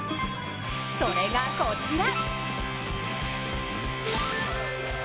それが、こちら。